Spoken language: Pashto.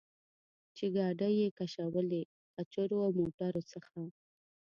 چې ګاډۍ یې کشولې، قچرو او موټرو څخه.